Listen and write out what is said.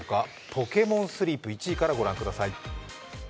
ポケモンスリープ、１位からご覧ください。